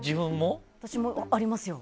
私もありますよ。